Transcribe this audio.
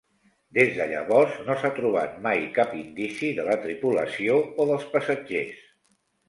Des de llavors no s'ha trobat mai cap indici de la tripulació o dels passatgers.